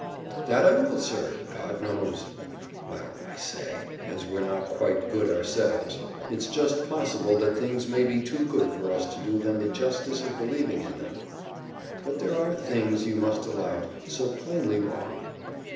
"That I will, sir; God knows." "Well, I say—as we're not quite good ourselves, it's just possible that things may be too good for us to do them the justice of believing in them." "But there are things, you must allow, so plainly wrong!"